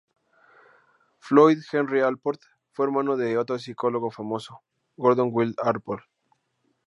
Floyd Henry Allport fue hermano de otro psicólogo famoso, Gordon Willard Allport.